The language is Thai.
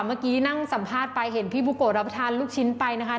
เมื่อกี้นั่งสัมภาษณ์ไปเห็นพี่บุโกะรับประทานลูกชิ้นไปนะคะ